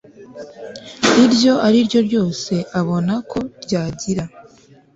iryo ari ryo ryose abona ko ryagira